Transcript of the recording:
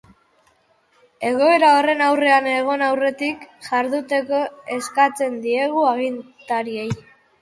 Egoera horren aurrean egon aurretik jarduteko eskatzen diegu agintariei.